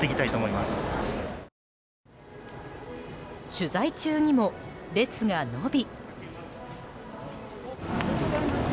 取材中にも列が延び。